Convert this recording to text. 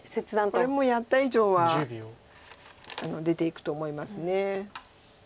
これもやった以上は出ていくと思います。